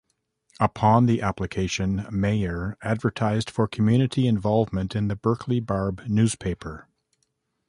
Upon the application, Meyer advertised for community involvement in the Berkeley Barb newspaper.